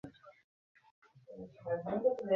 তাড়াতাড়ি চিঠি চাপা দিয়ে কুমু শক্ত হয়ে বসল।